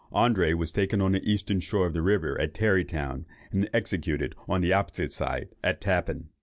André was taken on the eastern shore of the river at Tarrytown, and executed on the opposite side, at Tappan.